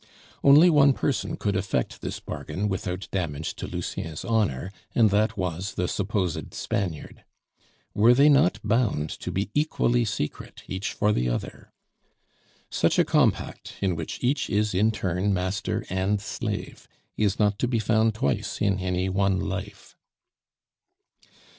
Only one person could effect this bargain without damage to Lucien's honor, and that was the supposed Spaniard. Were they not bound to be equally secret, each for the other? Such a compact, in which each is in turn master and slave, is not to be found twice in any one life.